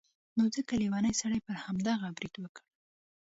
نو ځکه لیوني سړي پر همدغو برید وکړ.